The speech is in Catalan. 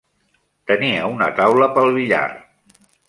Tenia una taula pel billar.